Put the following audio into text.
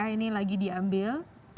ini lagi diambil